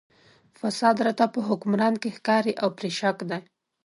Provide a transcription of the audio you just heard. فساد راته په حکمران کې ښکاري او پرې شک دی.